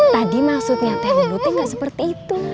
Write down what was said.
tadi maksudnya teh mulutnya gak seperti itu